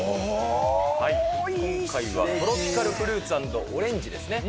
トロピカルフルーツ＆オレンジですね。